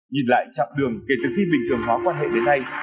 nhìn lại chặng đường kể từ khi bình thường hóa quan hệ đến nay